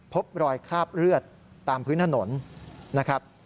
พบรอยคราบเลือดตามพื้นถนนนะครับ